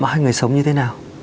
hai người sống như thế nào